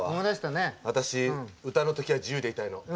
私歌の時は自由でいたいの。